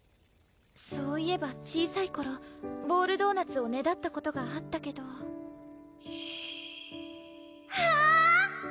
そういえば小さい頃ボールドーナツをねだったことがあったけどあぁ！